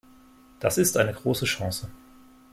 Das ist eine große Chance.